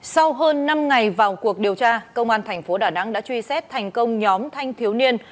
sau hơn năm ngày vào cuộc điều tra công an tp hcm đã truy xét thành công nhóm thanh thiếu niên